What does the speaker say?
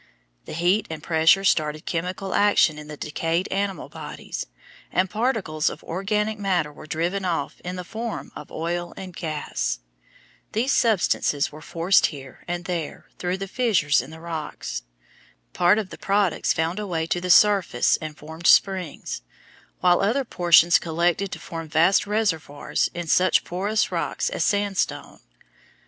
The heat and pressure started chemical action in the decayed animal bodies, and particles of organic matter were driven off in the form of oil and gas. These substances were forced here and there through the fissures in the rocks. Part of the products found a way to the surface and formed springs, while other portions collected to form vast reservoirs in such porous rocks as sandstone.